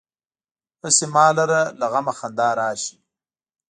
هسې ما لره له غمه خندا راشي.